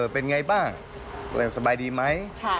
เป็นไงบ้างสบายดีไหม